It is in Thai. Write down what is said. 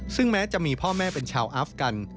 ซึ่งแม้จะมีพ่อแม่เป็นชาวอัฟกัน